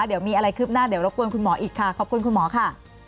เดี๋ยวมีอะไรคืบหน้าเดี๋ยวรบกวนคุณหมออีกค่ะขอบคุณคุณหมอค่ะ